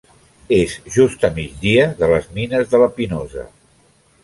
És just a migdia de les Mines de la Pinosa.